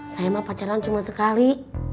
saya mah pacaran cuma sekali